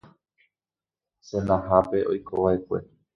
Senahápe oikova'ekue